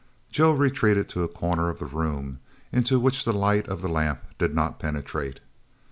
Joe retreated to a corner of the room into which the light of the lamp did not penetrate.